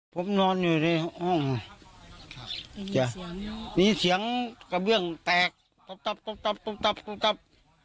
ผมนอนอยู่เลยอ้อครับจะนี่เสียงกระเบี้ยงแตกตบตบตบตบตบตบ